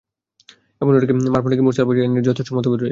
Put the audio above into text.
এ বর্ণনাটি মারফু নাকি মুরসাল পর্যায়ের এ নিয়ে যথেষ্ট মতভেদ রয়েছে।